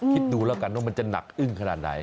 คิดดูแล้วกันว่ามันจะหนักอึ้งขนาดไหน